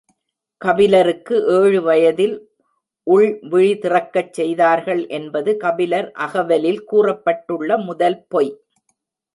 கபிலருக்கு ஏழு வயதில் உள்விழி திறக்கச் செய்தார்கள் என்பது கபிலர் அகவலில் கூறப்பட்டுள்ள முதல் பொய்.